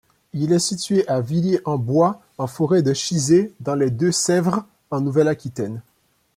Il est situé à Villiers-en-Bois, en forêt de Chizé dans les Deux-Sèvres en Nouvelle-Aquitaine.